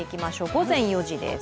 午前４時です。